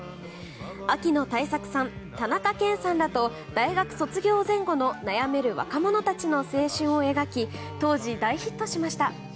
秋野太作さん、田中健さんらと大学卒業前後の悩める若者たちの青春を描き当時、大ヒットしました。